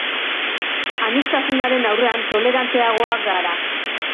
Aniztasunaren aurrean toleranteagoak gara.